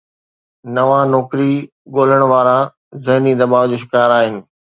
نوان نوڪري ڳولڻ وارا ذهني دٻاءُ جو شڪار آهن